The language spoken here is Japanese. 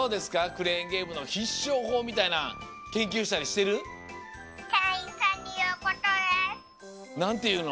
クレーンゲームのひっしょうほうみたいなんけんきゅうしたりしてる？なんていうの？